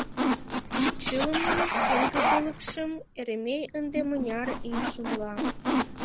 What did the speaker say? Чылымын пеҥгыдылыкшым Еремей ынде мыняр ий шымла!